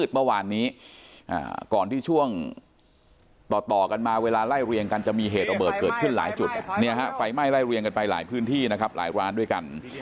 ไฟไม่ไล่เรียงกันไปหลายพื้นที่นะครับหลายร้านด้วยกัน